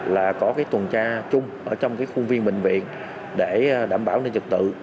là có cái tuần tra chung ở trong cái khuôn viên bệnh viện để đảm bảo được trực tự